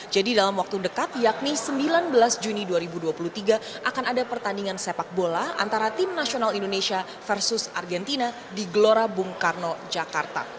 dalam waktu dekat yakni sembilan belas juni dua ribu dua puluh tiga akan ada pertandingan sepak bola antara tim nasional indonesia versus argentina di gelora bung karno jakarta